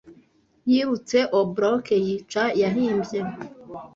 Yibutse obloque yica yahimbye